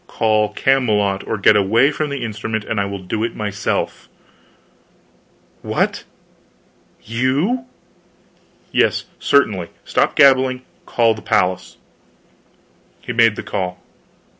Call Camelot, or get away from the instrument and I will do it myself." "What you?" "Yes certainly. Stop gabbling. Call the palace." He made the call.